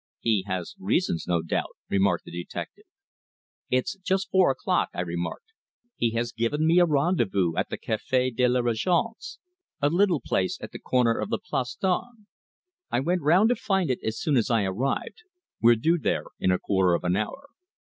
"He has reasons, no doubt," remarked the detective. "It is just four o'clock," I remarked. "He has given me a rendezvous at the Café de la Règence, a little place at the corner of the Place d'Armes. I went round to find it as soon as I arrived. We're due there in a quarter of an hour."